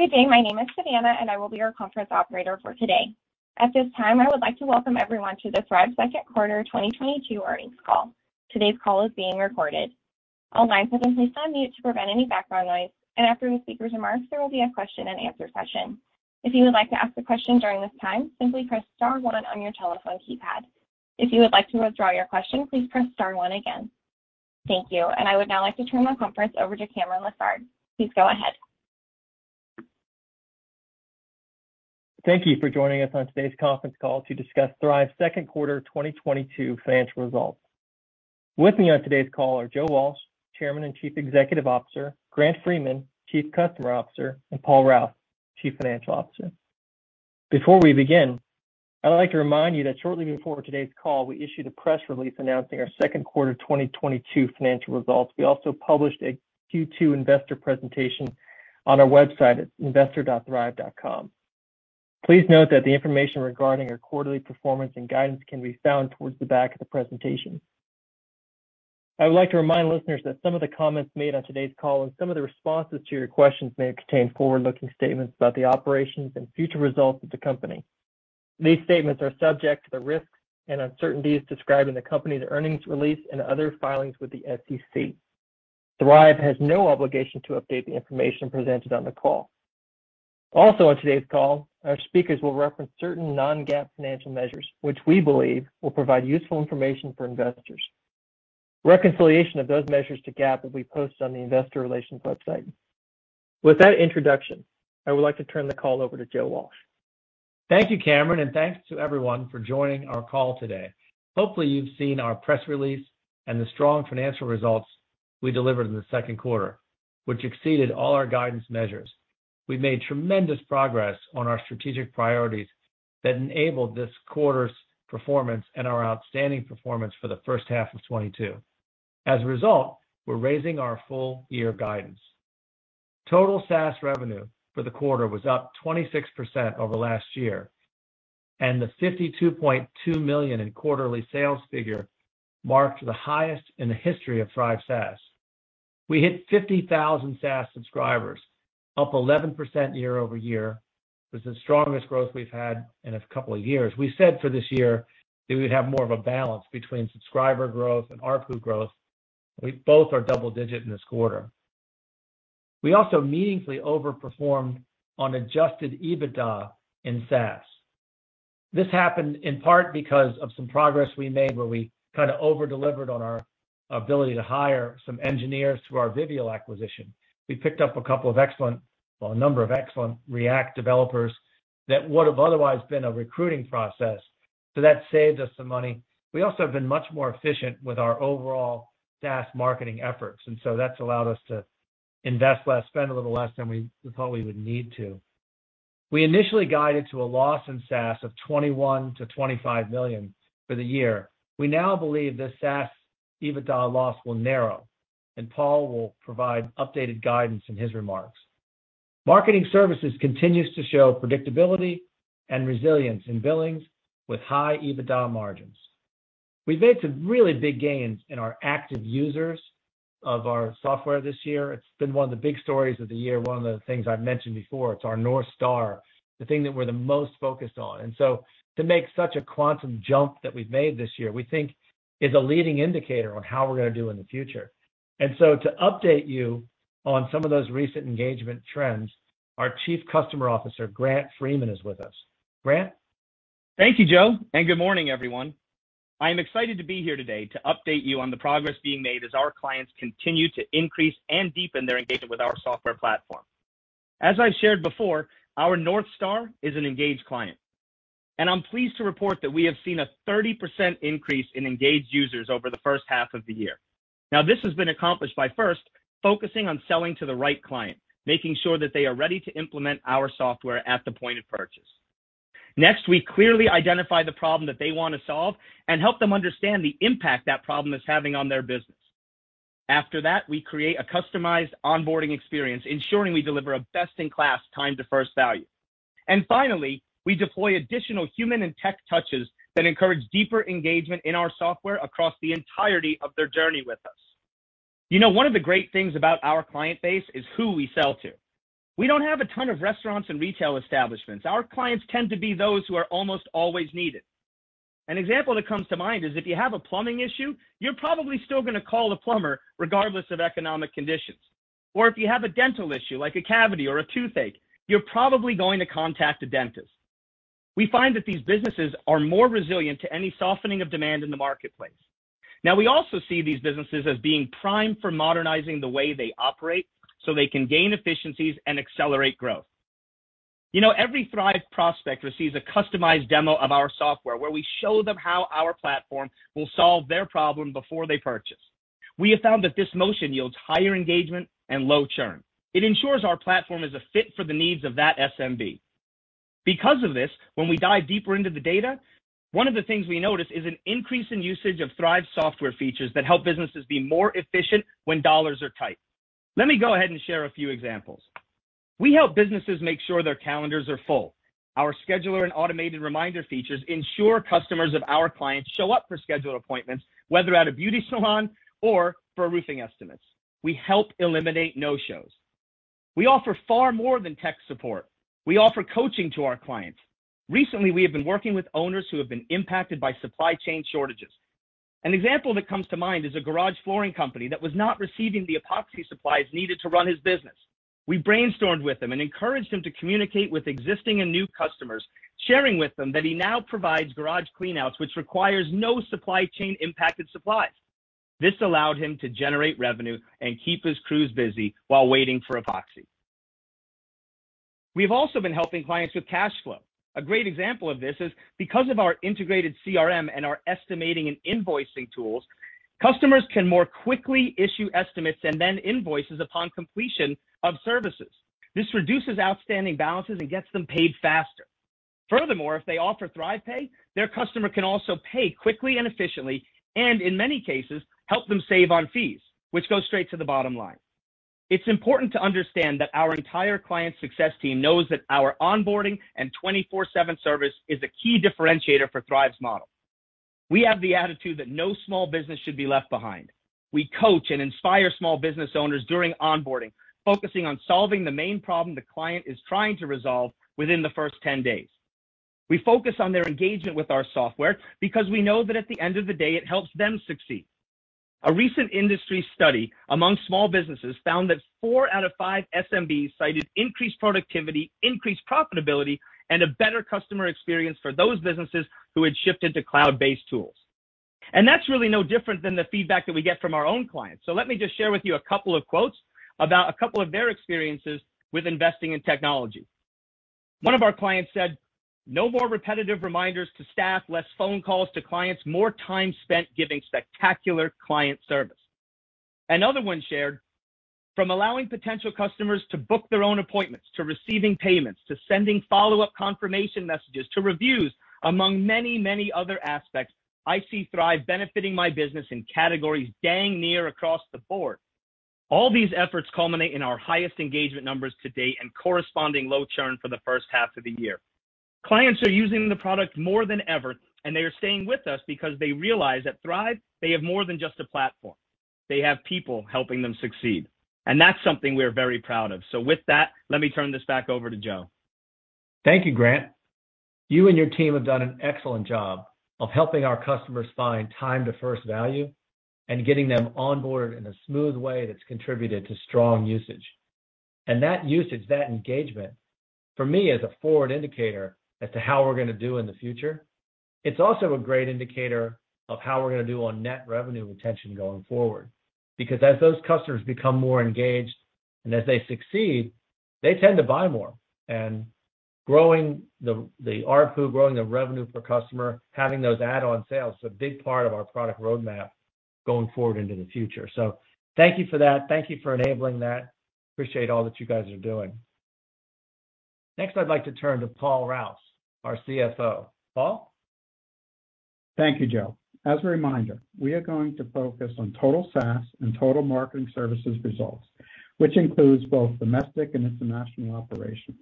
Good day. My name is Savannah, and I will be your conference operator for today. At this time, I would like to welcome everyone to the Thryv Second Quarter 2022 Earnings Call. Today's call is being recorded. All lines have been placed on mute to prevent any background noise, and after the speaker's remarks, there will be a question-and-answer session. If you would like to ask a question during this time, simply press star one on your telephone keypad. If you would like to withdraw your question, please press star one again. Thank you. I would now like to turn the conference over to Cameron Lessard. Please go ahead. Thank you for joining us on today's conference call to discuss Thryv's Second Quarter 2022 Financial Results. With me on today's call are Joe Walsh, Chairman and Chief Executive Officer, Grant Freeman, Chief Customer Officer, and Paul Rouse, Chief Financial Officer. Before we begin, I'd like to remind you that shortly before today's call, we issued a press release announcing our second quarter 2022 financial results. We also published a Q2 investor presentation on our website at investor.thryv.com. Please note that the information regarding our quarterly performance and guidance can be found towards the back of the presentation. I would like to remind listeners that some of the comments made on today's call and some of the responses to your questions may contain forward-looking statements about the operations and future results of the company. These statements are subject to the risks and uncertainties described in the company's earnings release and other filings with the SEC. Thryv has no obligation to update the information presented on the call. Also on today's call, our speakers will reference certain non-GAAP financial measures, which we believe will provide useful information for investors. Reconciliation of those measures to GAAP will be posted on the Investor Relations website. With that introduction, I would like to turn the call over to Joe Walsh. Thank you, Cameron, and thanks to everyone for joining our call today. Hopefully, you've seen our press release and the strong financial results we delivered in the second quarter, which exceeded all our guidance measures. We made tremendous progress on our strategic priorities that enabled this quarter's performance and our outstanding performance for the first half of 2022. As a result, we're raising our full year guidance. Total SaaS revenue for the quarter was up 26% over last year, and the $52.2 million in quarterly sales figure marked the highest in the history of Thryv SaaS. We hit 50,000 SaaS subscribers, up 11% year-over-year. It was the strongest growth we've had in a couple of years. We said for this year that we'd have more of a balance between subscriber growth and ARPU growth. We both are double digit in this quarter. We also meaningfully overperformed on Adjusted EBITDA in SaaS. This happened in part because of some progress we made where we kinda over-delivered on our ability to hire some engineers through our Vivial acquisition. We picked up a number of excellent React developers that would have otherwise been a recruiting process, so that saved us some money. We also have been much more efficient with our overall SaaS marketing efforts, and so that's allowed us to invest less, spend a little less than we thought we would need to. We initially guided to a loss in SaaS of $21 million-$25 million for the year. We now believe this SaaS EBITDA loss will narrow, and Paul will provide updated guidance in his remarks. Marketing Services continues to show predictability and resilience in billings with high EBITDA margins. We've made some really big gains in our active users of our software this year. It's been one of the big stories of the year, one of the things I've mentioned before. It's our North Star, the thing that we're the most focused on. To make such a quantum jump that we've made this year, we think is a leading indicator on how we're gonna do in the future. To update you on some of those recent engagement trends, our Chief Customer Officer, Grant Freeman, is with us. Grant. Thank you, Joe, and good morning, everyone. I am excited to be here today to update you on the progress being made as our clients continue to increase and deepen their engagement with our software platform. As I've shared before, our North Star is an engaged client, and I'm pleased to report that we have seen a 30% increase in engaged users over the first half of the year. Now, this has been accomplished by first focusing on selling to the right client, making sure that they are ready to implement our software at the point of purchase. Next, we clearly identify the problem that they want to solve and help them understand the impact that problem is having on their business. After that, we create a customized onboarding experience, ensuring we deliver a best-in-class time to first value. Finally, we deploy additional human and tech touches that encourage deeper engagement in our software across the entirety of their journey with us. You know, one of the great things about our client base is who we sell to. We don't have a ton of restaurants and retail establishments. Our clients tend to be those who are almost always needed. An example that comes to mind is if you have a plumbing issue, you're probably still gonna call the plumber regardless of economic conditions. Or if you have a dental issue like a cavity or a toothache, you're probably going to contact a dentist. We find that these businesses are more resilient to any softening of demand in the marketplace. Now, we also see these businesses as being primed for modernizing the way they operate so they can gain efficiencies and accelerate growth. You know, every Thryv prospect receives a customized demo of our software where we show them how our platform will solve their problem before they purchase. We have found that this motion yields higher engagement and low churn. It ensures our platform is a fit for the needs of that SMB. Because of this, when we dive deeper into the data, one of the things we notice is an increase in usage of Thryv software features that help businesses be more efficient when dollars are tight. Let me go ahead and share a few examples. We help businesses make sure their calendars are full. Our scheduler and automated reminder features ensure customers of our clients show up for scheduled appointments, whether at a beauty salon or for roofing estimates. We help eliminate no-shows. We offer far more than tech support. We offer coaching to our clients. Recently, we have been working with owners who have been impacted by supply chain shortages. An example that comes to mind is a garage flooring company that was not receiving the epoxy supplies needed to run his business. We brainstormed with him and encouraged him to communicate with existing and new customers, sharing with them that he now provides garage cleanouts, which requires no supply chain impacted supplies. This allowed him to generate revenue and keep his crews busy while waiting for epoxy. We've also been helping clients with cash flow. A great example of this is because of our integrated CRM and our estimating and invoicing tools, customers can more quickly issue estimates and then invoices upon completion of services. This reduces outstanding balances and gets them paid faster. Furthermore, if they offer ThryvPay, their customer can also pay quickly and efficiently, and in many cases, help them save on fees, which goes straight to the bottom line. It's important to understand that our entire client success team knows that our onboarding and 24/7 service is a key differentiator for Thryv's model. We have the attitude that no small business should be left behind. We coach and inspire small business owners during onboarding, focusing on solving the main problem the client is trying to resolve within the first 10 days. We focus on their engagement with our software because we know that at the end of the day, it helps them succeed. A recent industry study among small businesses found that four out of five SMBs cited increased productivity, increased profitability, and a better customer experience for those businesses who had shifted to cloud-based tools. That's really no different than the feedback that we get from our own clients. Let me just share with you a couple of quotes about a couple of their experiences with investing in technology. One of our clients said, "No more repetitive reminders to staff, less phone calls to clients, more time spent giving spectacular client service." Another one shared, "From allowing potential customers to book their own appointments, to receiving payments, to sending follow-up confirmation messages, to reviews, among many, many other aspects, I see Thryv benefiting my business in categories dang near across the board." All these efforts culminate in our highest engagement numbers to date and corresponding low churn for the first half of the year. Clients are using the product more than ever, and they are staying with us because they realize at Thryv, they have more than just a platform. They have people helping them succeed. That's something we are very proud of. With that, let me turn this back over to Joe. Thank you, Grant. You and your team have done an excellent job of helping our customers find time to first value and getting them onboarded in a smooth way that's contributed to strong usage. That usage, that engagement, for me is a forward indicator as to how we're gonna do in the future. It's also a great indicator of how we're gonna do on net revenue retention going forward. Because as those customers become more engaged and as they succeed, they tend to buy more. Growing the ARPU, growing the revenue per customer, having those add-on sales is a big part of our product roadmap going forward into the future. Thank you for that. Thank you for enabling that. Appreciate all that you guys are doing. Next, I'd like to turn to Paul Rouse, our CFO. Paul? Thank you, Joe. As a reminder, we are going to focus on total SaaS and total marketing services results, which includes both domestic and international operations.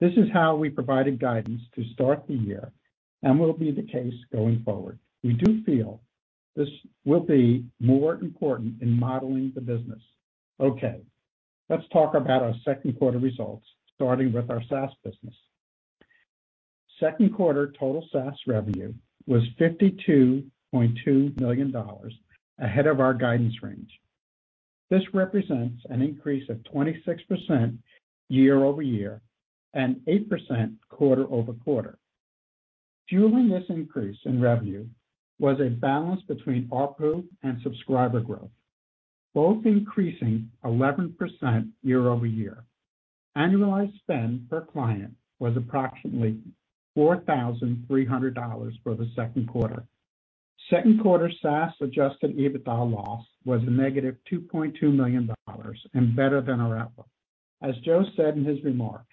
This is how we provided guidance to start the year and will be the case going forward. We do feel this will be more important in modeling the business. Okay, let's talk about our second quarter results, starting with our SaaS business. Second quarter total SaaS revenue was $52.2 million, ahead of our guidance range. This represents an increase of 26% year-over-year and 8% quarter-over-quarter. Fueling this increase in revenue was a balance between ARPU and subscriber growth, both increasing 11% year-over-year. Annualized spend per client was approximately $4,300 for the second quarter. Second quarter SaaS Adjusted EBITDA loss was a negative $2.2 million and better than our outlook. As Joe said in his remarks,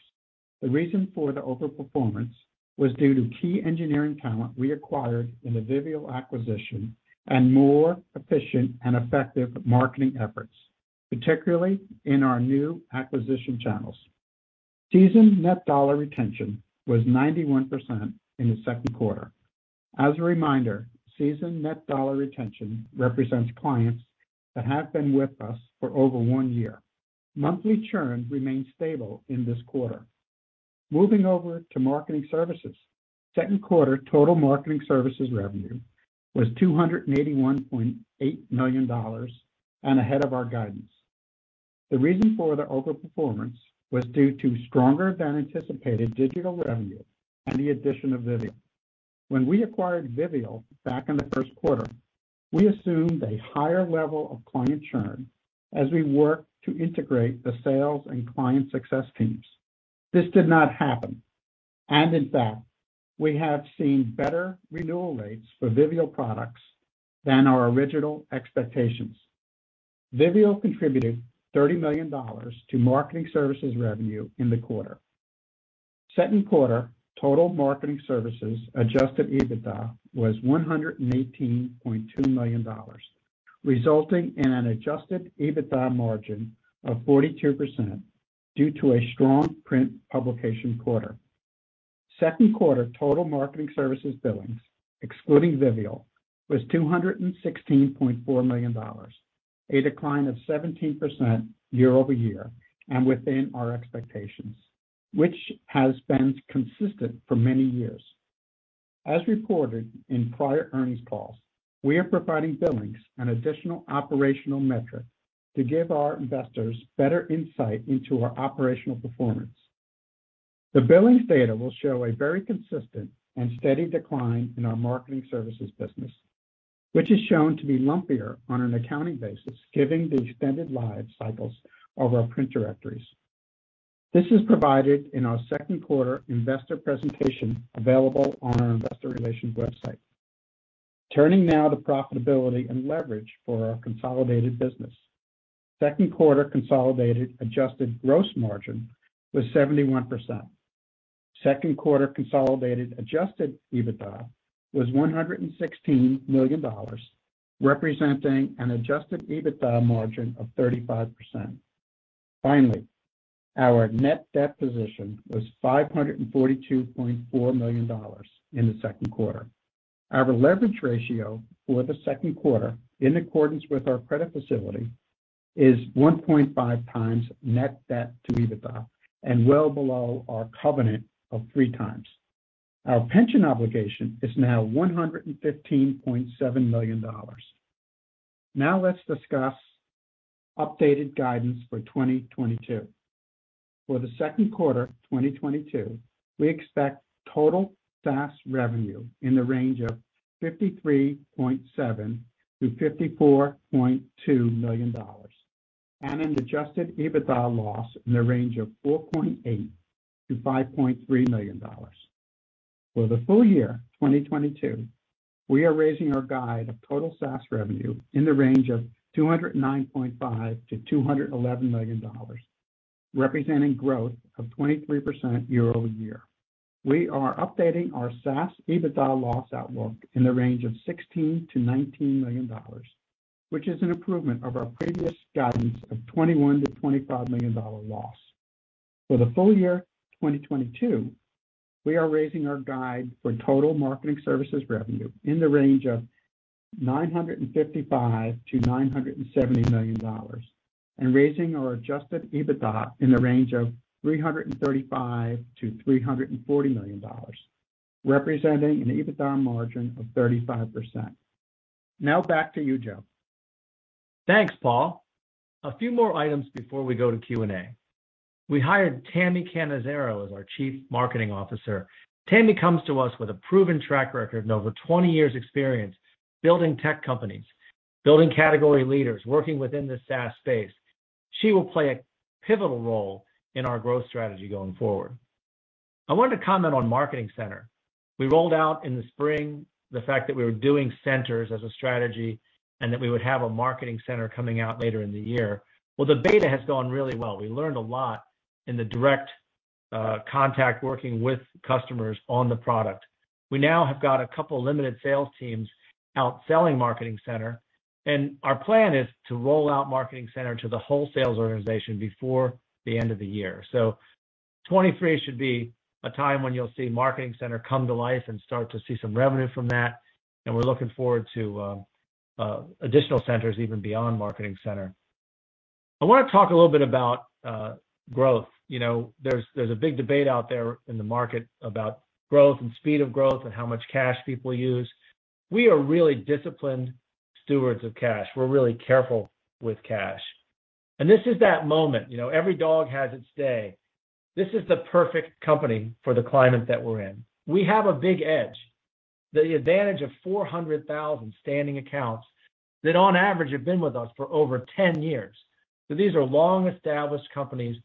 the reason for the overperformance was due to key engineering talent we acquired in the Vivial acquisition and more efficient and effective marketing efforts, particularly in our new acquisition channels. Seasoned Net Dollar Retention was 91% in the second quarter. As a reminder, Seasoned Net Dollar Retention represents clients that have been with us for over one year. Monthly churn remained stable in this quarter. Moving over to marketing services. Second quarter total marketing services revenue was $281.8 million and ahead of our guidance. The reason for the overperformance was due to stronger than anticipated digital revenue and the addition of Vivial. When we acquired Vivial back in the first quarter, we assumed a higher level of client churn as we worked to integrate the sales and client success teams. This did not happen, and in fact, we have seen better renewal rates for Vivial products than our original expectations. Vivial contributed $30 million to Marketing Services revenue in the quarter. Second quarter total Marketing Services Adjusted EBITDA was $118.2 million. Resulting in an Adjusted EBITDA margin of 42% due to a strong print publication quarter. Second quarter total Marketing Services billings, excluding Vivial, was $216.4 million, a decline of 17% year-over-year and within our expectations, which has been consistent for many years. As reported in prior earnings calls, we are providing billings an additional operational metric to give our investors better insight into our operational performance. The billings data will show a very consistent and steady decline in our Marketing Services business, which is shown to be lumpier on an accounting basis, giving the extended life cycles of our print directories. This is provided in our second quarter investor presentation available on our investor relations website. Turning now to profitability and leverage for our consolidated business. Second quarter consolidated adjusted gross margin was 71%. Second quarter consolidated Adjusted EBITDA was $116 million, representing an Adjusted EBITDA margin of 35%. Finally, our net debt position was $542.4 million in the second quarter. Our leverage ratio for the second quarter, in accordance with our credit facility, is 1.5x net debt-to-EBITDA and well below our covenant of 3x. Our pension obligation is now $115.7 million. Now let's discuss updated guidance for 2022. For the second quarter 2022, we expect total SaaS revenue in the range of $53.7 million-$54.2 million and an Adjusted EBITDA loss in the range of $4.8 million-$5.3 million. For the full year 2022, we are raising our guidance of total SaaS revenue in the range of $209.5 million-$211 million, representing growth of 23% year-over-year. We are updating our SaaS EBITDA loss outlook in the range of $16 million-$19 million, which is an improvement of our previous guidance of $21 million-$25 million loss. For the full year 2022, we are raising our guide for total marketing services revenue in the range of $955 million-$970 million, and raising our Adjusted EBITDA in the range of $335 million-$340 million, representing an EBITDA margin of 35%. Now back to you, Joe. Thanks, Paul. A few more items before we go to Q&A. We hired Tami Cannizzaro as our Chief Marketing Officer. Tami comes to us with a proven track record and over 20 years experience building tech companies, building category leaders, working within the SaaS space. She will play a pivotal role in our growth strategy going forward. I wanted to comment on Marketing Center. We rolled out in the spring the fact that we were doing centers as a strategy and that we would have a Marketing Center coming out later in the year. Well, the beta has gone really well. We learned a lot in the direct contact working with customers on the product. We now have got a couple limited sales teams out selling Marketing Center, and our plan is to roll out Marketing Center to the whole sales organization before the end of the year. So, 2023 should be a time when you'll see Marketing Center come to life and start to see some revenue from that, and we're looking forward to additional centers even beyond Marketing Center. I wanna talk a little bit about growth. You know, there's a big debate out there in the market about growth and speed of growth and how much cash people use. We are really disciplined stewards of cash. We're really careful with cash. This is that moment. You know, every dog has its day. This is the perfect company for the climate that we're in. We have a big edge. The advantage of 400,000 standing accounts that on average have been with us for over 10 years. These are long-established companies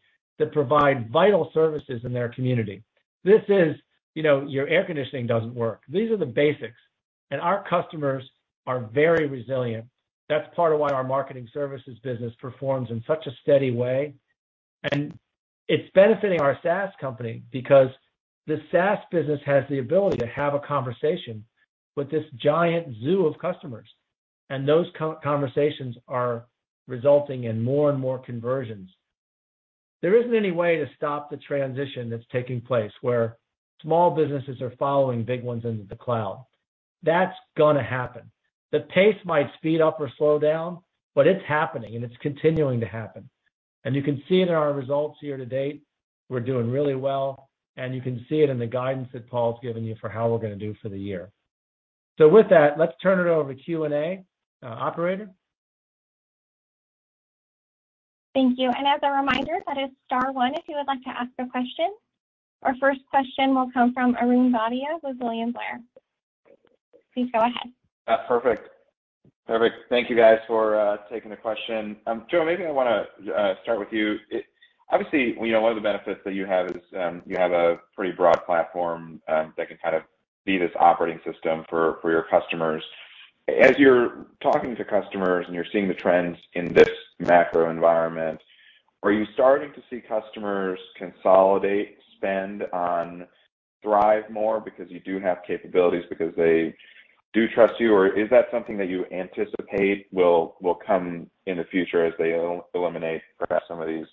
that provide vital services in their community. You know, your air conditioning doesn't work. These are the basics, and our customers are very resilient. That's part of why our marketing services business performs in such a steady way. It's benefiting our SaaS company because the SaaS business has the ability to have a conversation with this giant zoo of customers, and those conversations are resulting in more and more conversions. There isn't any way to stop the transition that's taking place, where small businesses are following big ones into the cloud. That's gonna happen. The pace might speed up or slow down, but it's happening and it's continuing to happen. You can see it in our results here to date. We're doing really well, and you can see it in the guidance that Paul's given you for how we're gonna do for the year. With that, let's turn it over to Q&A. Operator? Thank you. As a reminder, that is star one if you would like to ask a question. Our first question will come from Arjun Bhatia with William Blair. Please go ahead. Perfect. Perfect. Thank you guys for taking the question. Joe, maybe I wanna start with you. Obviously, you know, one of the benefits that you have is you have a pretty broad platform that can kind of be this operating system for your customers. As you're talking to customers and you're seeing the trends in this macro environment, are you starting to see customers consolidate spend on Thryv more because you do have capabilities because they do trust you? Or is that something that you anticipate will come in the future as they eliminate perhaps some of these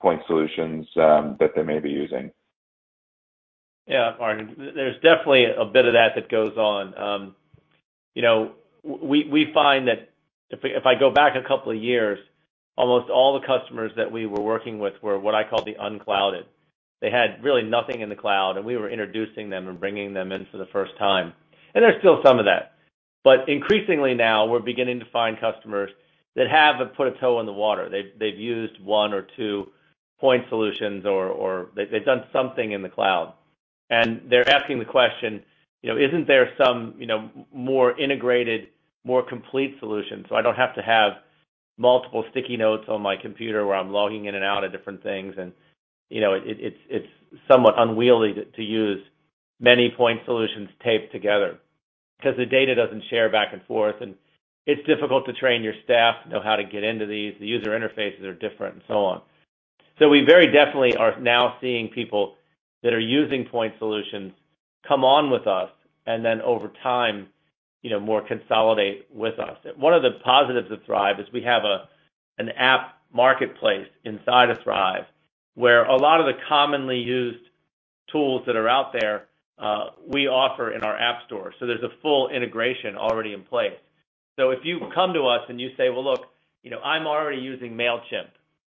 point solutions that they may be using? Yeah, Arjun, there's definitely a bit of that that goes on. You know, we find that if I go back a couple of years, almost all the customers that we were working with were what I call the unclouded. They had really nothing in the cloud, and we were introducing them and bringing them in for the first time. There's still some of that. Increasingly now, we're beginning to find customers that have put a toe in the water. They've used one or two point solutions or they've done something in the cloud. They're asking the question, you know, "Isn't there some, you know, more integrated, more complete solution so I don't have to have multiple sticky notes on my computer where I'm logging in and out of different things?" You know, it's somewhat unwieldy to use many point solutions taped together 'cause the data doesn't share back and forth, and it's difficult to train your staff to know how to get into these. The user interfaces are different and so on. We very definitely are now seeing people that are using point solutions come on with us and then over time, you know, more consolidate with us. One of the positives of Thryv is we have an app marketplace inside of Thryv, where a lot of the commonly used tools that are out there, we offer in our app store. There's a full integration already in place. If you come to us and you say, "Well, look, you know, I'm already using Mailchimp.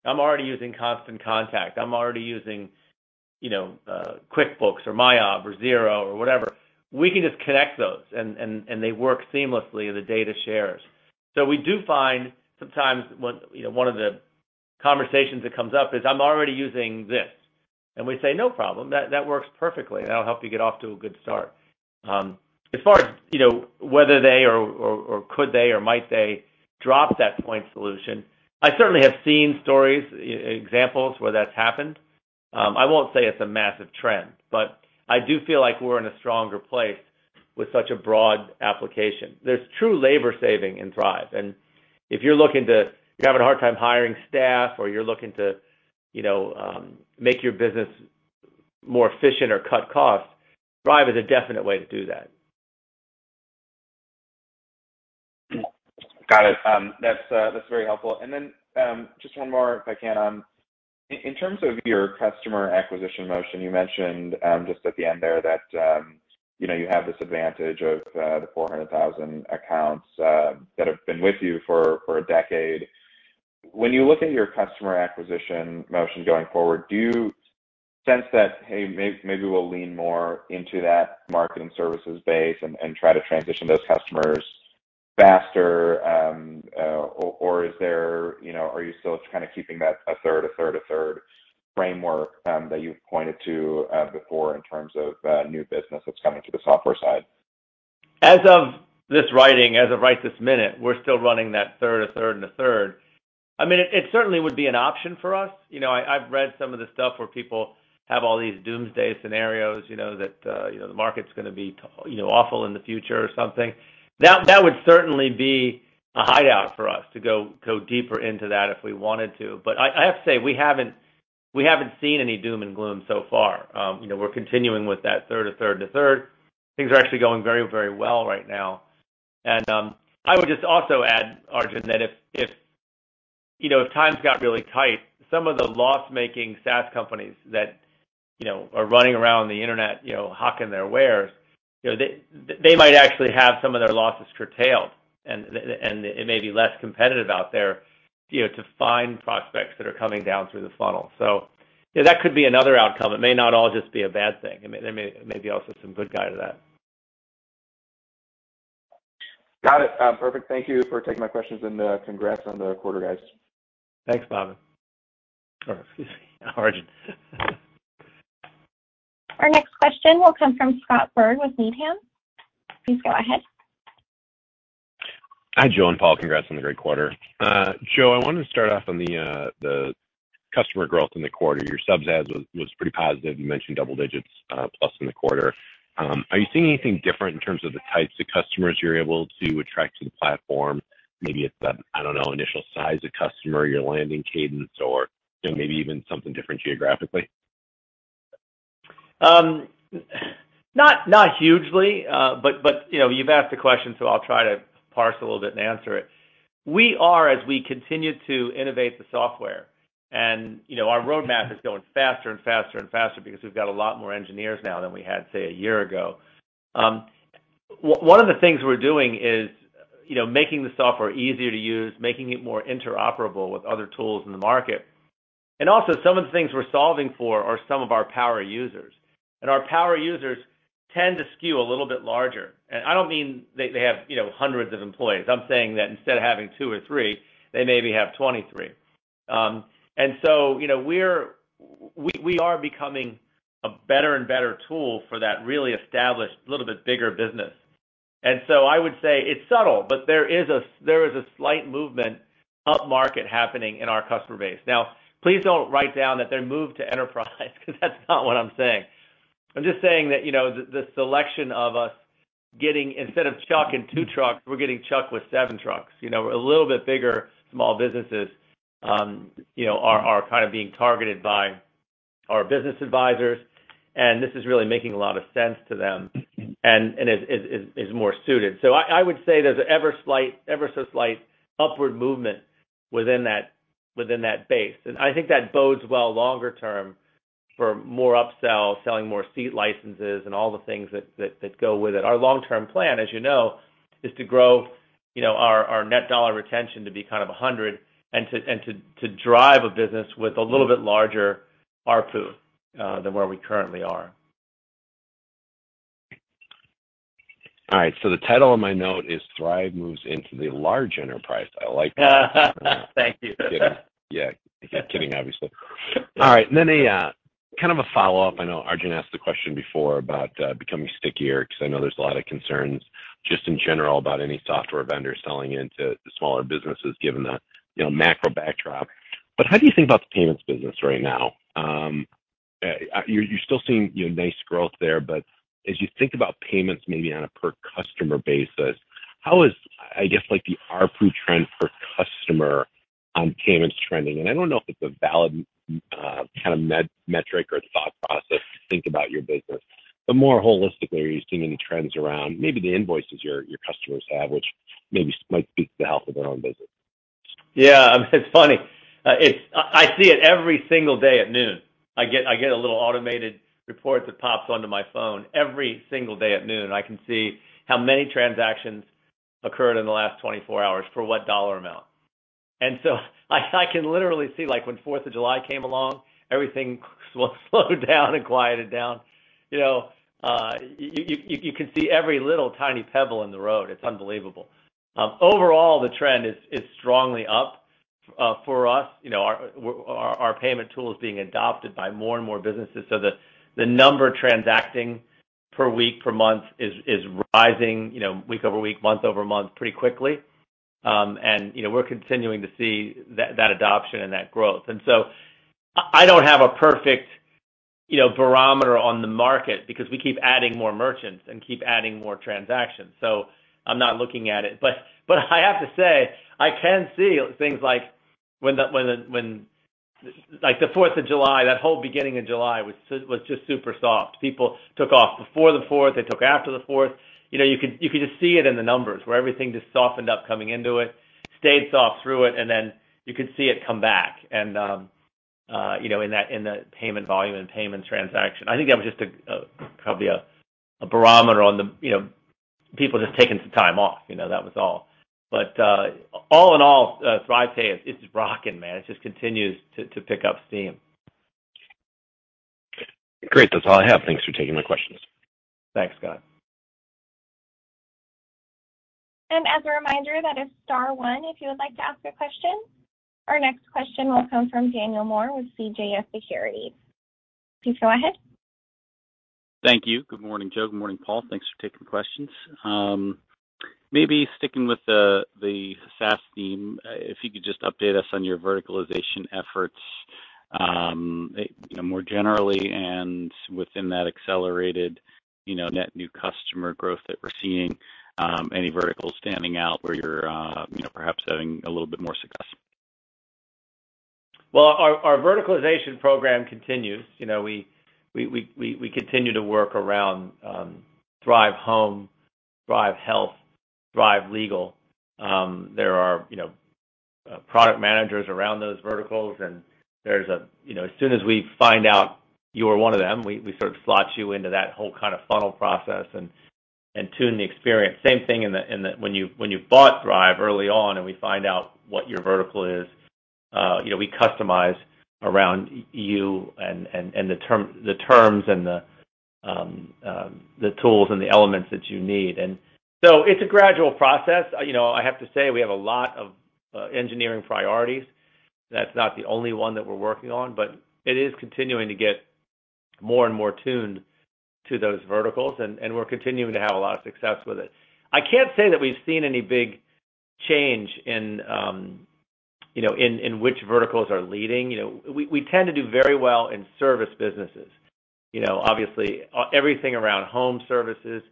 I'm already using Constant Contact. I'm already using, you know, QuickBooks or MYOB or Xero or whatever," we can just connect those and they work seamlessly and the data shares. We do find sometimes one of the conversations that comes up is, "I'm already using this." And we say, "No problem. That works perfectly. That'll help you get off to a good start." As far as, you know, whether they could or might drop that point solution, I certainly have seen stories, examples where that's happened. I won't say it's a massive trend, but I do feel like we're in a stronger place with such a broad application. There's true labor saving in Thryv, and if you're having a hard time hiring staff or you're looking to, you know, make your business more efficient or cut costs, Thryv is a definite way to do that. Got it. That's very helpful. Just one more, if I can. In terms of your customer acquisition motion, you mentioned just at the end there that, you know, you have this advantage of the 400,000 accounts that have been with you for a decade. When you look at your customer acquisition motion going forward, do you sense that, hey, maybe we'll lean more into that marketing services base and try to transition those customers faster, or is there, you know, are you still kind of keeping that a third framework that you've pointed to before in terms of new business that's coming to the software side? As of this writing, as of right this minute, we're still running that third, a third, and a third. I mean, it certainly would be an option for us. You know, I've read some of the stuff where people have all these doomsday scenarios, you know, that the market's gonna be awful in the future or something. That would certainly be a hideout for us to go deeper into that if we wanted to. I have to say, we haven't seen any doom and gloom so far. You know, we're continuing with that third, a third, a third. Things are actually going very, very well right now. I would just also add, Arjun, that if you know, if times got really tight, some of the loss-making SaaS companies that you know, are running around the internet, you know, hawking their wares, you know, they might actually have some of their losses curtailed and it may be less competitive out there, you know, to find prospects that are coming down through the funnel. You know, that could be another outcome. It may not all just be a bad thing. I mean, there may be also some good side to that. Got it. Perfect. Thank you for taking my questions, and congrats on the quarter, guys. Thanks, Arjun. Or excuse me, Arjun. Our next question will come from Scott Berg with Needham & Company. Please go ahead. Hi, Joe and Paul. Congrats on the great quarter. Joe, I wanted to start off on the customer growth in the quarter. Your subs adds was pretty positive. You mentioned double digits plus in the quarter. Are you seeing anything different in terms of the types of customers you're able to attract to the platform? Maybe it's the initial size of customer, your landing cadence or, you know, maybe even something different geographically? Not hugely. But you know, you've asked the question, so I'll try to parse a little bit and answer it. We are, as we continue to innovate the software, and you know, our roadmap is going faster and faster and faster because we've got a lot more engineers now than we had, say, a year ago. One of the things we're doing is, you know, making the software easier to use, making it more interoperable with other tools in the market. Also some of the things we're solving for are some of our power users, and our power users tend to skew a little bit larger. I don't mean they have, you know, hundreds of employees. I'm saying that instead of having two or three, they maybe have 23. And, so, you know, we are becoming a better and better tool for that really established little bit bigger business. I would say it's subtle, but there is a slight movement upmarket happening in our customer base. Now, please don't write down that they moved to enterprise 'cause that's not what I'm saying. I'm just saying that, you know, the selection of us getting instead of Chuck and two trucks, we're getting Chuck with seven trucks. You know, a little bit bigger small businesses, you know, are kind of being targeted by our business advisors, and this is really making a lot of sense to them. Mm-hmm. It is more suited. I would say there's an ever so slight upward movement within that base. I think that bodes well long-term for more upsells, selling more seat licenses and all the things that go with it. Our long-term plan, as you know, is to grow, you know, our Net Dollar Retention to be kind of 110% and to drive a business with a little bit larger ARPU than where we currently are. All right, the title of my note is Thryv Moves into the Large Enterprise. I like that. Thank you. Yeah. Yeah. Kidding, obviously. All right, kind of a follow-up. I know Arjun asked the question before about becoming stickier, 'cause I know there's a lot of concerns just in general about any software vendor selling into the smaller businesses, given the, you know, macro backdrop. How do you think about the payments business right now? You're still seeing, you know, nice growth there, but as you think about payments maybe on a per customer basis, how is, I guess, like the ARPU trend for customer payments trending? I don't know if it's a valid kind of metric or thought process to think about your business. More holistically, are you seeing any trends around maybe the invoices your customers have, which maybe might speak to the health of their own business? Yeah. I mean, it's funny. I see it every single day at noon. I get a little automated report that pops onto my phone every single day at noon, and I can see how many transactions occurred in the last 24 hours for what dollar amount. I can literally see, like when 4th of July came along, everything sort of slowed down and quieted down. You know, you can see every little tiny pebble in the road. It's unbelievable. Overall, the trend is strongly up for us. You know, our payment tool is being adopted by more and more businesses. The number transacting per week, per month is rising, you know, week-over-week, month-over-month pretty quickly. You know, we're continuing to see that adoption and that growth. I don't have a perfect, you know, barometer on the market because we keep adding more merchants and keep adding more transactions. I'm not looking at it. I have to say, I can see things like the 4th of July, that whole beginning of July was just super soft. People took off before the 4th, they took after the 4th. You know, you could just see it in the numbers where everything just softened up coming into it, stayed soft through it, and then you could see it come back and, you know, in the payment volume and payment transaction. I think that was just a kind of a barometer on the, you know, people just taking some time off, you know, that was all. All in all, Thryv day, it's rocking, man. It just continues to pick up steam. Great. That's all I have. Thanks for taking my questions. Thanks, Scott. As a reminder, that is star one if you would like to ask a question. Our next question will come from Daniel Moore with CJS Securities. Please go ahead. Thank you. Good morning, Joe. Good morning, Paul. Thanks for taking questions. Maybe sticking with the SaaS theme, if you could just update us on your verticalization efforts, you know, more generally and within that accelerated, you know, net new customer growth that we're seeing, any verticals standing out where you're, you know, perhaps having a little bit more success? Well, our verticalization program continues. You know, we continue to work around Thryv Home Services, Thryv Health, Thryv Legal. There are, you know, product managers around those verticals, and there's a, you know, as soon as we find out you are one of them, we sort of slot you into that whole kind of funnel process and tune the experience. Same thing when you bought Thryv early on and we find out what your vertical is, you know, we customize around you and the terms and the tools and the elements that you need. It's a gradual process, you know, I have to say we have a lot of engineering priorities. That's not the only one that we're working on, but it is continuing to get more and more tuned to those verticals, and we're continuing to have a lot of success with it. I can't say that we've seen any big change in, you know, in which verticals are leading, you know, we tend to do very well in service businesses, you know, obviously, everything around home services,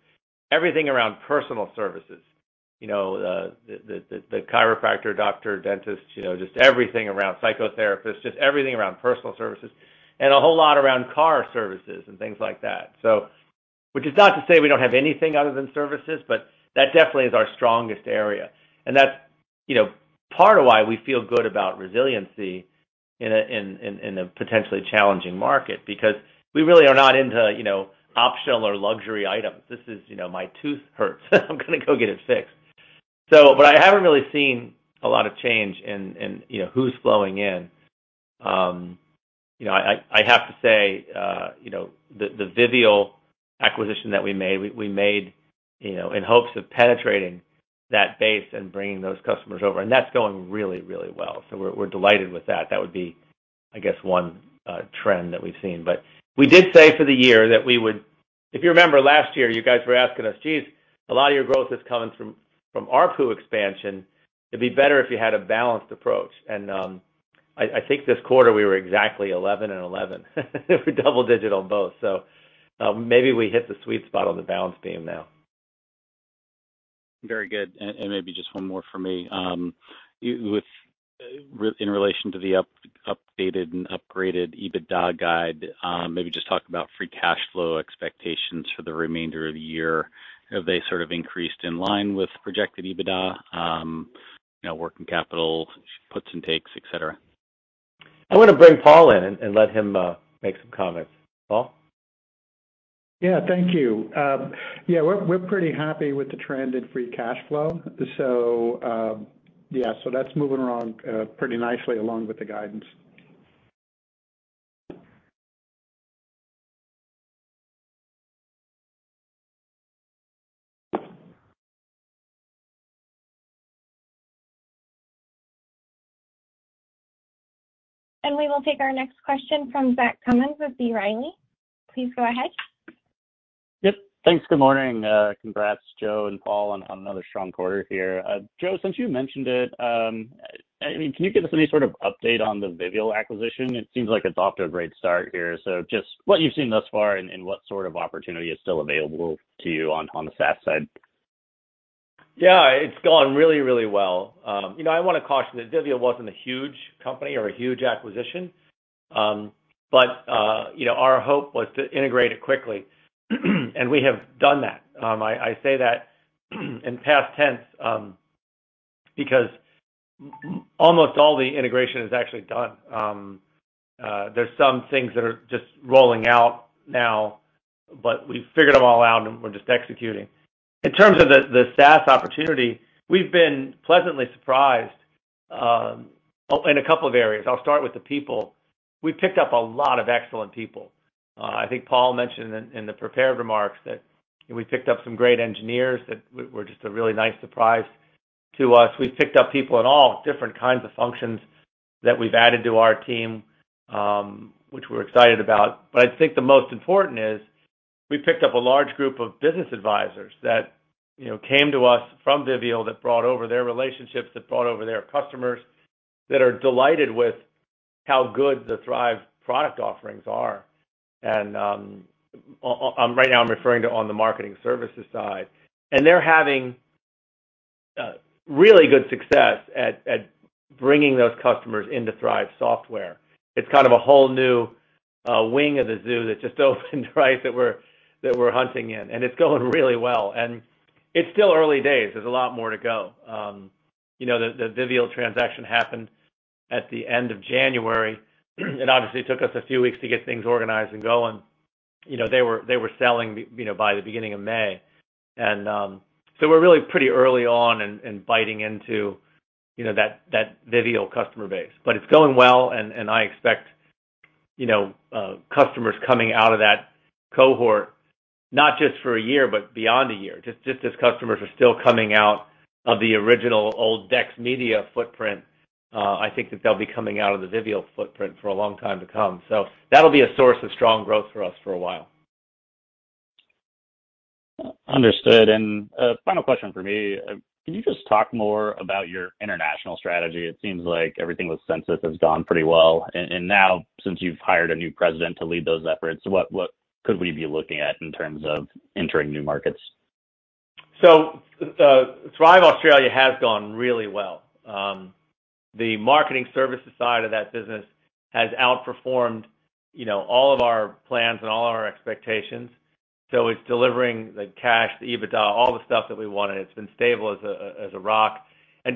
everything around personal services, you know, the chiropractor, doctor, dentist, you know, just everything around psychotherapists, just everything around personal services, and a whole lot around car services and things like that. Which is not to say we don't have anything other than services, but that definitely is our strongest area. That's, you know, part of why we feel good about resiliency in a in a potentially challenging market because we really are not into, you know, optional or luxury items. This is, you know, my tooth hurts, I'm gonna go get it fixed. But I haven't really seen a lot of change in, you know, who's flowing in. You know, I have to say, you know, the Vivial acquisition that we made, we made, you know, in hopes of penetrating that base and bringing those customers over, and that's going really well. We're delighted with that. That would be, I guess, one trend that we've seen. We did say for the year that we would... If you remember last year, you guys were asking us, "Geez, a lot of your growth is coming from ARPU expansion. It'd be better if you had a balanced approach." I think this quarter we were exactly 11% and 11%. We're double digit on both. Maybe we hit the sweet spot on the balance beam now. Very good. Maybe just one more for me. In relation to the updated and upgraded EBITDA guide, maybe just talk about free cash flow expectations for the remainder of the year. Have they sort of increased in line with projected EBITDA, you know, working capital puts and takes, et cetera? I want to bring Paul in and let him make some comments. Paul? Yeah. Thank you. Yeah, we're pretty happy with the trend in free cash flow. Yeah. That's moving along pretty nicely along with the guidance. We will take our next question from Zach Cummins with B. Riley Securities. Please go ahead. Yep. Thanks. Good morning. Congrats Joe and Paul on another strong quarter here. Joe, since you mentioned it, I mean, can you give us any sort of update on the Vivial acquisition? It seems like it's off to a great start here. Just what you've seen thus far and what sort of opportunity is still available to you on the SaaS side? Yeah, it's gone really, really well. You know, I wanna caution that Vivial wasn't a huge company or a huge acquisition. Our hope was to integrate it quickly, and we have done that. I say that in past tense, because almost all the integration is actually done. There's some things that are just rolling out now, but we've figured them all out and we're just executing. In terms of the SaaS opportunity, we've been pleasantly surprised in a couple of areas. I'll start with the people. We've picked up a lot of excellent people. I think Paul mentioned in the prepared remarks that we picked up some great engineers that were just a really nice surprise to us. We've picked up people in all different kinds of functions that we've added to our team, which we're excited about. I think the most important is we picked up a large group of business advisors that, you know, came to us from Vivial, that brought over their relationships, that brought over their customers, that are delighted with how good the Thryv product offerings are. Right now I'm referring to the Marketing Services side. They're having really good success at bringing those customers into Thryv software. It's kind of a whole new wing of the zoo that just opened, right, that we're hunting in, and it's going really well. It's still early days. There's a lot more to go. The Vivial transaction happened at the end of January. It obviously took us a few weeks to get things organized and going, you know, they were selling, you know, by the beginning of May. We're really pretty early on in biting into, you know, that Vivial customer base. It's going well and I expect, you know, customers coming out of that cohort, not just for a year, but beyond a year. Just as customers are still coming out of the original old Dex Media footprint, I think that they'll be coming out of the Vivial footprint for a long time to come. That'll be a source of strong growth for us for a while. Understood. Final question from me. Can you just talk more about your international strategy? It seems like everything with Sensis has gone pretty well. Now since you've hired a new president to lead those efforts, what could we be looking at in terms of entering new markets? Thryv Australia has gone really well. The marketing services side of that business has outperformed, you know, all of our plans and all of our expectations. It's delivering the cash, the EBITDA, all the stuff that we wanted. It's been stable as a rock.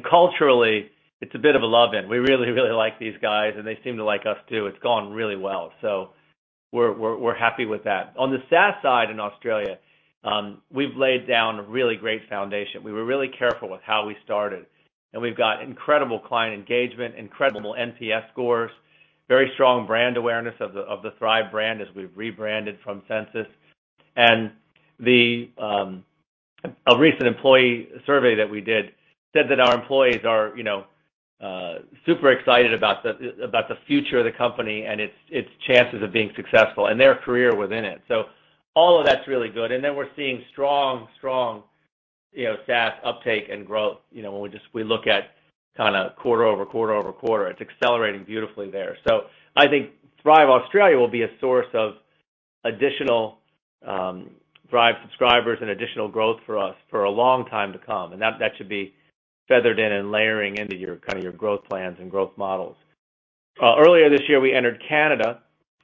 Culturally, it's a bit of a love in. We really, really like these guys, and they seem to like us too. It's gone really well. We're happy with that. On the SaaS side in Australia, we've laid down a really great foundation. We were really careful with how we started, and we've got incredible client engagement, incredible NPS scores, very strong brand awareness of the Thryv brand as we've rebranded from Sensis. A recent employee survey that we did said that our employees are, you know, super excited about the future of the company and its chances of being successful and their career within it. All of that's really good. We're seeing strong, you know, SaaS uptake and growth. You know, when we look at kinda quarter over quarter over quarter, it's accelerating beautifully there. I think Thryv Australia will be a source of additional Thryv subscribers and additional growth for us for a long time to come. That should be feathered in and layering into your growth plans and growth models. Earlier this year, we entered Canada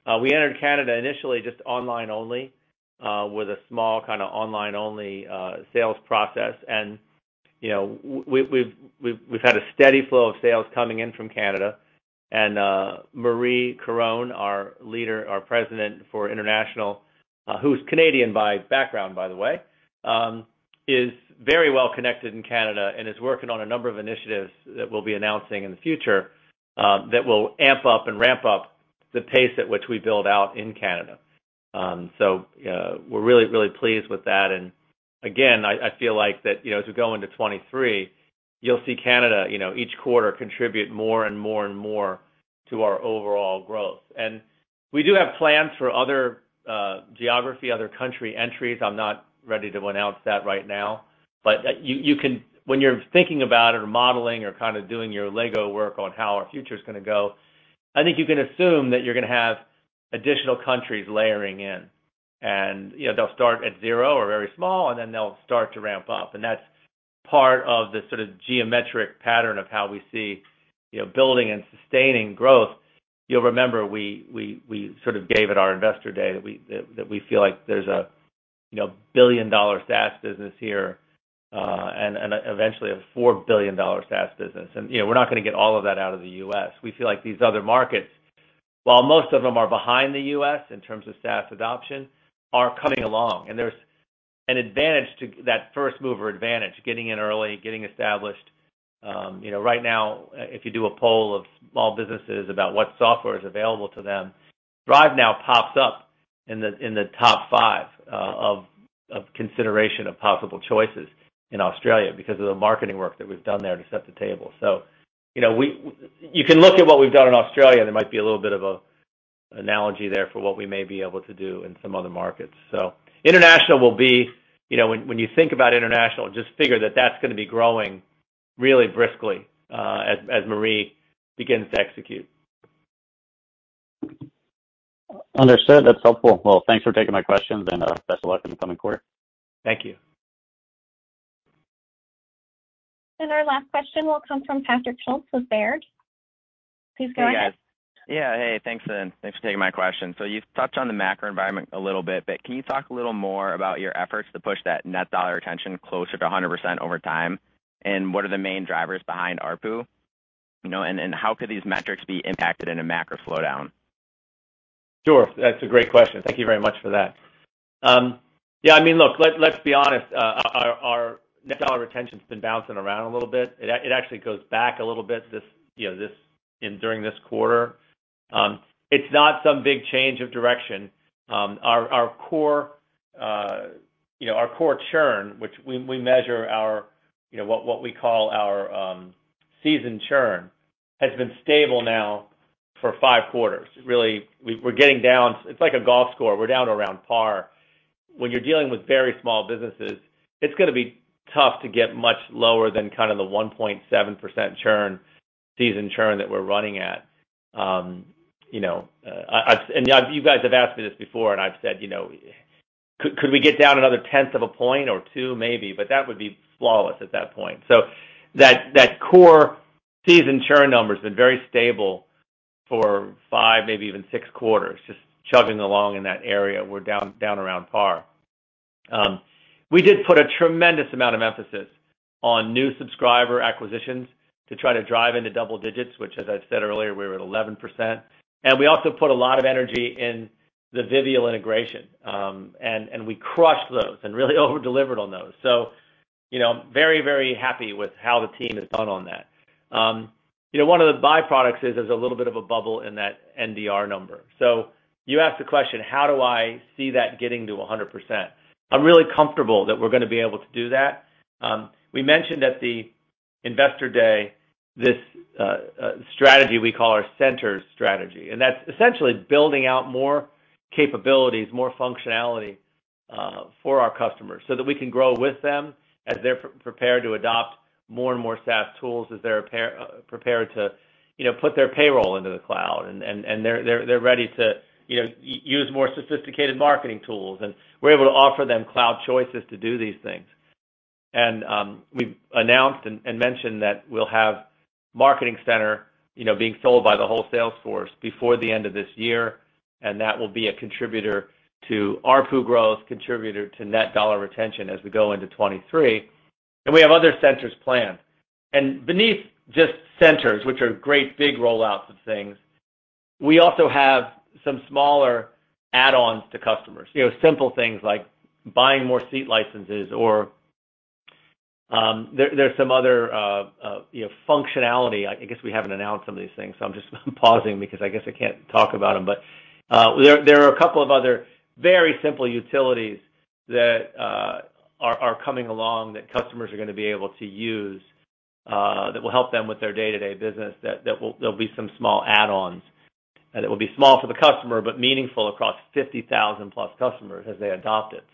initially just online only, with a small kinda online only sales process. We've had a steady flow of sales coming in from Canada. Marie Caron, our leader, our president for international, who's Canadian by background, is very well connected in Canada and is working on a number of initiatives that we'll be announcing in the future, that will amp up and ramp up the pace at which we build out in Canada. We're really pleased with that. Again, I feel like that, as we go into 2023, you'll see Canada each quarter contribute more and more to our overall growth. We do have plans for other geography, other country entries. I'm not ready to announce that right now. You can when you're thinking about it or modeling or kind of doing your Lego work on how our future is gonna go. I think you can assume that you're gonna have additional countries layering in. You know, they'll start at zero or very small, and then they'll start to ramp up. That's part of the sort of geometric pattern of how we see, you know, building and sustaining growth. You'll remember we sort of gave at our investor day that we feel like there's a, you know, $1 billion SaaS business here, and eventually a $4 billion SaaS business. You know, we're not gonna get all of that out of the U.S. We feel like these other markets, while most of them are behind the U.S. in terms of SaaS adoption, are coming along. There's an advantage to that first mover advantage, getting in early, getting established. You know, right now, if you do a poll of small businesses about what software is available to them, Thryv now pops up in the top five of consideration of possible choices in Australia because of the marketing work that we've done there to set the table. You know, you can look at what we've done in Australia, and there might be a little bit of a analogy there for what we may be able to do in some other markets. International will be, you know, when you think about international, just figure that that's gonna be growing really briskly, as Marie begins to execute. Understood. That's helpful. Well, thanks for taking my questions, and best of luck in the coming quarter. Thank you. Our last question will come from Patrick Schulz with Baird. Please go ahead. Hey, guys. Yeah. Hey, thanks, and thanks for taking my question. You've touched on the macro environment a little bit, but can you talk a little more about your efforts to push that Net Dollar Retention closer to 100% over time? And what are the main drivers behind ARPU? You know, and how could these metrics be impacted in a macro slowdown? Sure. That's a great question. Thank you very much for that. Yeah, I mean, look, let's be honest, our Net Dollar Retention's been bouncing around a little bit. It actually goes back a little bit, you know, and during this quarter. It's not some big change of direction. Our core, you know, our core churn, which we measure as, you know, what we call our seasoned churn, has been stable now for five quarters. Really, we're getting down. It's like a golf score. We're down around par. When you're dealing with very small businesses, it's gonna be tough to get much lower than kind of the 1.7% churn, seasoned churn that we're running at. You guys have asked me this before, and I've said, you know, could we get down another tenth of a point or two maybe, but that would be flawless at that point. That core seasoned churn number's been very stable for five, maybe even six quarters, just chugging along in that area. We're down around par. We did put a tremendous amount of emphasis on new subscriber acquisitions to try to drive into double digits, which as I've said earlier, we're at 11%. We also put a lot of energy in the Vivial integration, and we crushed those and really over-delivered on those. You know, very happy with how the team has done on that. You know, one of the byproducts is there's a little bit of a bubble in that NDR number. You asked the question, how do I see that getting to 100%? I'm really comfortable that we're gonna be able to do that. We mentioned at the investor day this strategy we call our centers strategy, and that's essentially building out more capabilities, more functionality for our customers so that we can grow with them as they're prepared to adopt more and more SaaS tools, as they're prepared to, you know, put their payroll into the cloud. They're ready to, you know, use more sophisticated marketing tools, and we're able to offer them cloud choices to do these things. We've announced and mentioned that we'll have Marketing Center, you know, being sold by the whole sales force before the end of this year, and that will be a contributor to ARPU growth, contributor to Net Dollar Retention as we go into 2023. We have other centers planned. Beneath just centers, which are great big rollouts of things, we also have some smaller add-ons to customers. You know, simple things like buying more seat licenses or there's some other, you know, functionality. I guess we haven't announced some of these things, so I'm just pausing because I guess I can't talk about them. There are a couple of other very simple utilities that are coming along that customers are gonna be able to use that will help them with their day-to-day business. There'll be some small add-ons, and it will be small for the customer but meaningful across 50,000+ customers as they adopt it.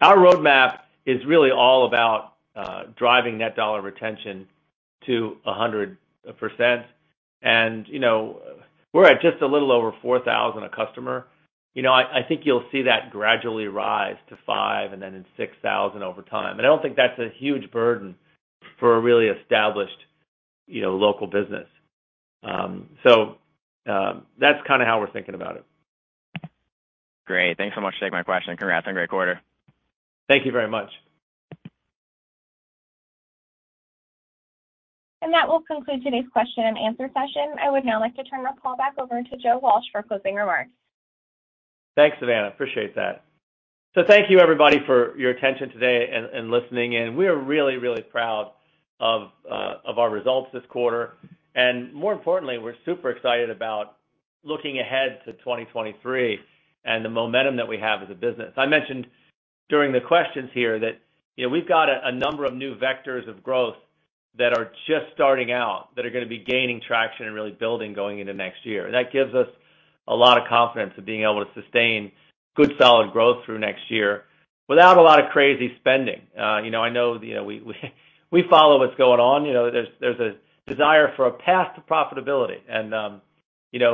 Our roadmap is really all about driving Net Dollar Retention to 100%. You know, we're at just a little over $4,000 a customer. You know, I think you'll see that gradually rise to $5,000 and then $6,000 over time. I don't think that's a huge burden for a really established, you know, local business. That's kinda how we're thinking about it. Great. Thanks so much for taking my question. Congrats on a great quarter. Thank you very much. That will conclude today's question-and-answer session. I would now like to turn the call back over to Joe Walsh for closing remarks. Thanks, Savannah. Appreciate that. Thank you everybody for your attention today and listening in. We are really proud of our results this quarter. More importantly, we're super excited about looking ahead to 2023 and the momentum that we have as a business. I mentioned during the questions here that, you know, we've got a number of new vectors of growth that are just starting out, that are gonna be gaining traction and really building going into next year. That gives us a lot of confidence of being able to sustain good, solid growth through next year without a lot of crazy spending. You know, I know, you know, we follow what's going on. You know, there's a desire for a path to profitability, and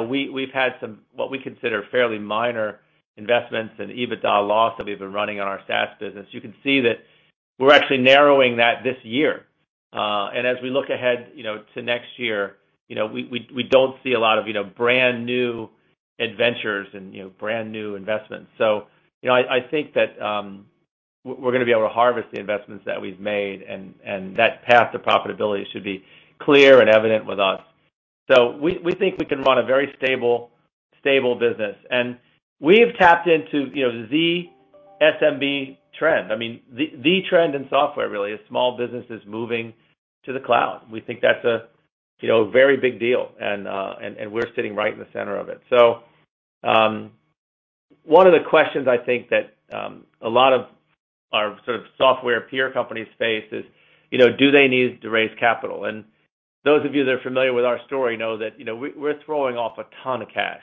we've had some what we consider fairly minor investments and EBITDA loss that we've been running on our SaaS business. You can see that we're actually narrowing that this year. As we look ahead, you know, to next year, you know, we don't see a lot of, you know, brand new adventures and, you know, brand new investments. You know, I think that we're gonna be able to harvest the investments that we've made and that path to profitability should be clear and evident with us. We think we can run a very stable business. We've tapped into, you know, the SMB trend. I mean, the trend in software really is small businesses moving to the cloud. We think that's a you know very big deal and we're sitting right in the center of it. One of the questions I think that a lot of our sort of software peer companies face is, you know, do they need to raise capital? Those of you that are familiar with our story know that, you know, we're throwing off a ton of cash.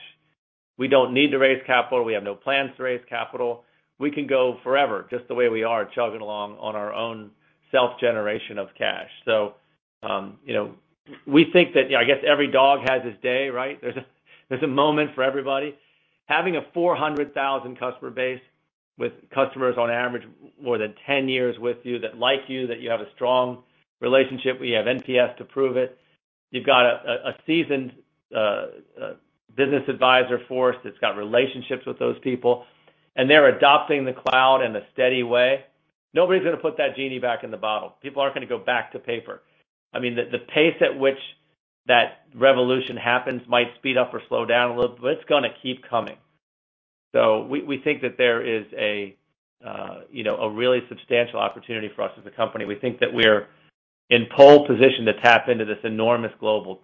We don't need to raise capital. We have no plans to raise capital. We can go forever just the way we are, chugging along on our own self-generation of cash. You know, we think that, you know, I guess every dog has his day, right? There's a moment for everybody. Having a 400,000 customer base with customers on average more than 10 years with you that like you, that you have a strong relationship. We have NPS to prove it. You've got a seasoned business advisor force that's got relationships with those people, and they're adopting the cloud in a steady way. Nobody's gonna put that genie back in the bottle. People aren't gonna go back to paper. I mean, the pace at which that revolution happens might speed up or slow down a little, but it's gonna keep coming. We think that there is a you know, a really substantial opportunity for us as a company. We think that we're in pole position to tap into this enormous global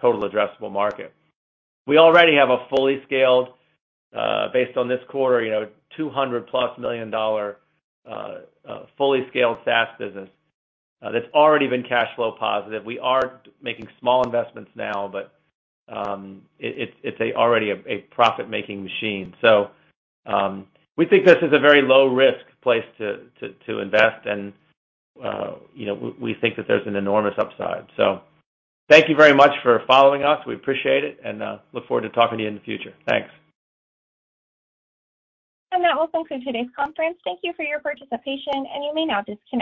total addressable market. We already have a fully scaled, based on this quarter, you know, $200+ million fully scaled SaaS business that's already been cash flow positive. We are making small investments now, but it's already a profit-making machine. We think this is a very low risk place to invest and, you know, we think that there's an enormous upside. Thank you very much for following us. We appreciate it and look forward to talking to you in the future. Thanks. That will conclude today's conference. Thank you for your participation, and you may now disconnect.